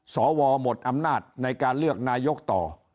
สวหมดอำนาจในการเลือกนายกต่อ